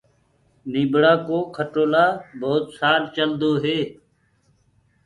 نيٚڀڙآ ڪو کٽولآ ڀوت سال چلدوئي